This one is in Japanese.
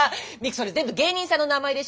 それ全部芸人さんの名前でしょ。